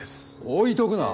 置いとくな。